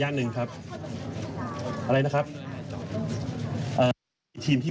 เรายึดตามหลักที่ทุกคนปลอดภัยมากที่สุด